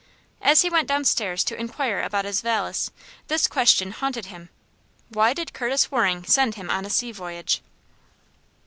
As he went downstairs to inquire about his valise, this question haunted him: "Why did Curtis Waring send him on a sea voyage?"